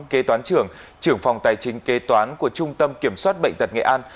kế toán trưởng trưởng phòng tài chính kế toán của trung tâm kiểm soát bệnh tật nghệ an